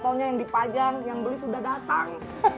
contohnya yang dipajang yang beli sudah datang